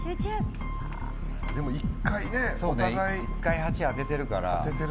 １回８当ててるから。